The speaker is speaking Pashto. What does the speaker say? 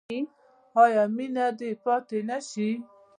آیا مینه دې پاتې نشي؟